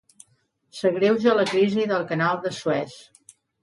S'agreuja la crisi del canal de Suez.